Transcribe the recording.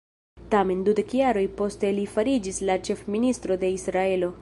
Tamen, dudek jaroj poste li fariĝis la ĉef-ministro de Israelo.